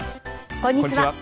こんにちは。